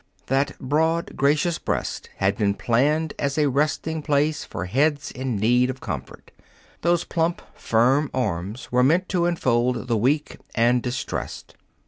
That broad, gracious breast had been planned as a resting place for heads in need of comfort. Those plump, firm arms were meant to enfold the weak and distressed.